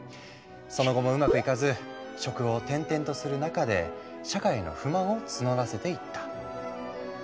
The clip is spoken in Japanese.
その後もうまくいかず職を転々とする中で社会への不満を募らせていった。